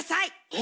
え？